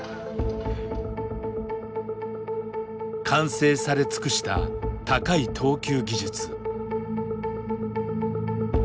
完成され尽くした高い投球技術。